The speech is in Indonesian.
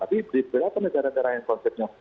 tapi di beberapa negara negara yang konsepnya